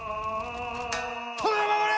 殿を守れ！